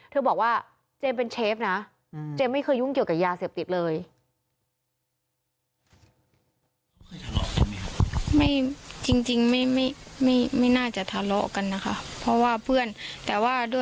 เธอบอกว่าเจมส์เป็นเชฟนะ